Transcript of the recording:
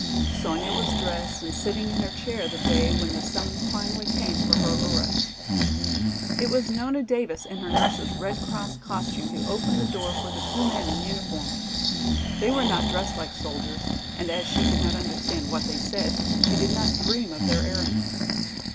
Sonya was dressed and sitting in her chair the day when the summons finally came for her arrest. It was Nona Davis in her nurse's Red Cross costume who opened the door for the two men in uniform. They were not dressed like soldiers, and as she could not understand what they said, she did not dream of their errand.